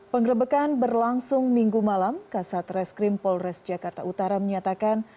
pengerebekan berlangsung minggu malam kasat reskrim polres jakarta utara menyatakan